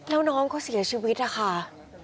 แล้วน้องเขาเสียชีวิตค่ะ